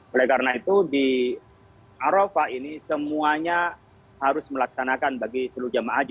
oleh karena itu di arafah ini semuanya harus melaksanakan bagi seluruh jamaah haji